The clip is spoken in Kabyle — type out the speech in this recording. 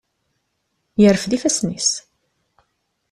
Yerfed ifassen-is.